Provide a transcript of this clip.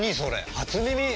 初耳！